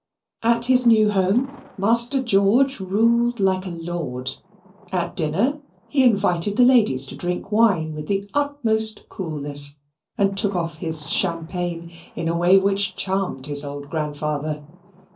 At his new home Master George ruled like a lord; at dinner he invited the ladies to drink wine with the utmost coolness, and took off his champagne in a way which charmed his old grandfather.